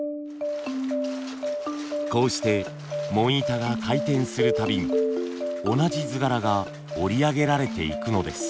こうして紋板が回転するたびに同じ図柄が織り上げられていくのです。